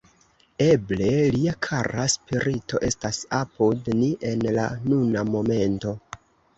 Eble lia kara spirito estas apud ni en la nuna momento.